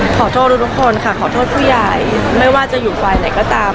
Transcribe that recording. ขอโทษทุกคนค่ะขอโทษผู้ใหญ่ไม่ว่าจะอยู่ฝ่ายไหนก็ตาม